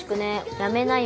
「やめなよ」